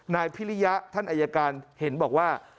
นายพิริยะท่านอายการเห็นบอกว่า